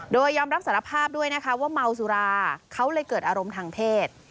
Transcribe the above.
โดยยอมรับสารภาพด้วยนะคะว่าเมาสุราเขาเลยเกิดอารมณ์ทางเพศ